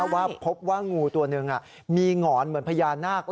ว่าพบว่างูตัวหนึ่งมีหงอนเหมือนพญานาค